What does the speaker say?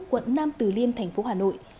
quận nam từ liêm thành phố hà nội